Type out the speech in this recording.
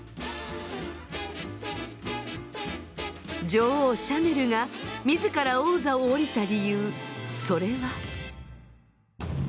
女王シャネルが自ら王座を降りた理由それは。